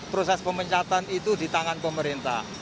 proses pemencetan itu ditanggung